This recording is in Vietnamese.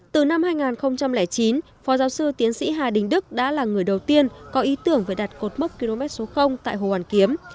từ năm hai nghìn chín phó giáo sư tiến sĩ hà đình đức đã là người đầu tiên có ý tưởng về đặt cột mốc km số tại hồ hoàn kiếm